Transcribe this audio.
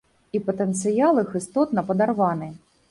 І патэнцыял іх істотна падарваны.